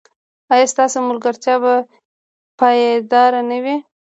ایا ستاسو ملګرتیا به پایداره نه وي؟